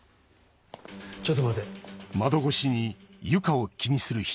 ちょっと待て。